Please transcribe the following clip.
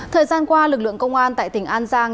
thời gian qua lực lượng công an tại tỉnh an giang